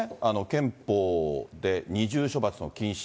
憲法で二重処罰の禁止。